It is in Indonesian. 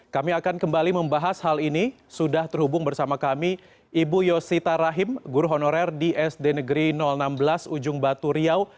kami akan kembali membahas hal ini sudah terhubung bersama kami ibu yosita rahim guru honorer di sd negeri enam belas ujung batu riau